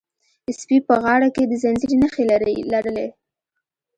سپي په غاړه کې د زنځیر نښې لرلې.